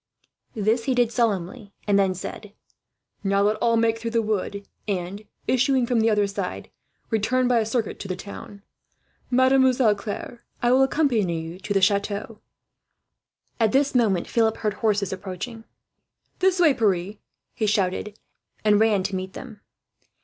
This he did solemnly, and then said: "Now, let all make through the wood and, issuing from the other side, return by a circuit to the town. "Mademoiselle Claire, I will accompany you to the chateau." At this moment Philip heard horses approaching. "This way, Pierre," he shouted, and ran to meet them.